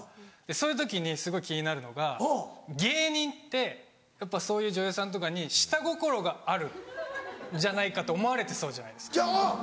そういう時にすごい気になるのが芸人ってやっぱりそういう女優さんとかに下心があるんじゃないかと思われてそうじゃないですか。